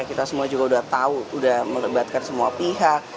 kita semua juga sudah tahu sudah melebatkan semua pihak